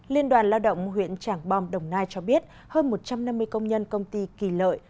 liên đoàn lao động huyện trảng bom đồng nai cho biết hơn một trăm năm mươi công nhân công ty kỳ lợi